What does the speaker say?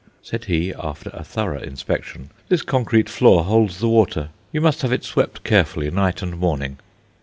Said he, after a thorough inspection: "This concrete floor holds the water; you must have it swept carefully night and morning."